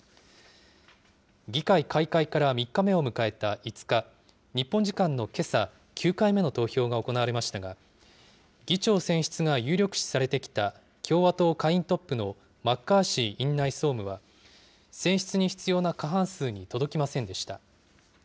議会開会から３日目を迎えた５日、日本時間のけさ、９回目の投票が行われましたが、議長選出が有力視されてきた共和党下院トップのマッカーシー院内総務は、選出に必要な過半数に届きませんでした。